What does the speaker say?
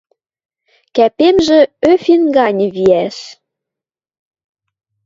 Кӓпемжӹ ӧфин ганьы виӓш